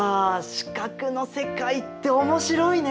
視覚の世界って面白いね！